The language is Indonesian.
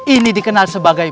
ini dikenal sebagai